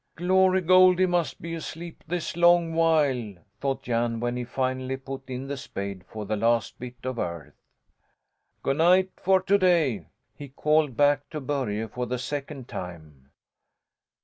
"Glory Goldie must be asleep this long while," thought Jan, when he finally put in the spade for the last bit of earth. "Go' night for to day," he called back to Börje for the second time.